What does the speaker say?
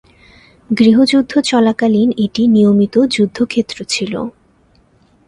গৃহযুদ্ধ চলাকালীন এটি নিয়মিত যুদ্ধক্ষেত্র ছিল।